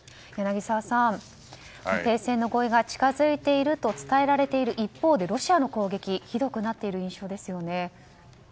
柳澤さん停戦の合意が近づいていると伝えられている一方でロシアの攻撃はひどくなっている印象ですね。